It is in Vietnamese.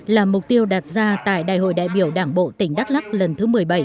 là mục tiêu đạt ra tại đại hội đại biểu đảng bộ tỉnh đắk lắc lần thứ một mươi bảy